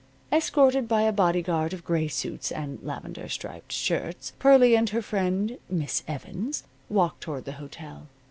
Escorted by a bodyguard of gray suits and lavender striped shirts Pearlie and her friend, Miss Evans, walked toward the hotel.